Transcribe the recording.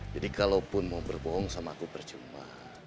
jadi kalaupun mau berbohong sama aku percuma